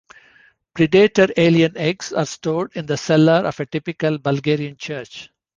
Predator alien eggs are stored in the cellar of a typical Bulgarian church.